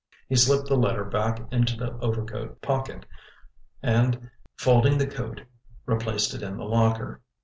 He slipped the letter back into the overcoat pocket, and folding the coat, replaced it in the locker.